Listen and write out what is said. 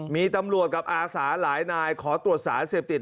มีตำรวจกับอาสาหลายนายขอตรวจสารเสพติด